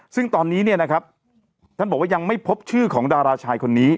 ซึ่งตอนนี้เนี่ยนะครับท่านบอกว่ายังไม่พบชื่อของดาราชายคนนี้